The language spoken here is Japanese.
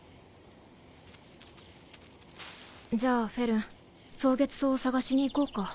じゃあフェルン蒼月草を探しに行こうか。